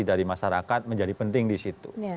dari masyarakat menjadi penting di situ